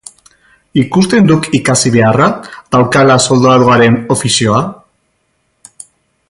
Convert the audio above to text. Ikusten duk ikasi beharra daukaala soldaduaren ofizioa.